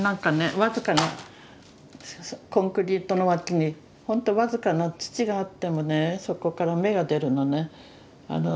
僅かなコンクリートの脇にほんと僅かな土があってもねそこから芽が出るのね。